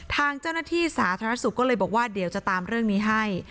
ทางเจ้าหน้าที่สาธารณสุขก็เลยบอกว่าเดี๋ยวจะตามเรื่องนี้ให้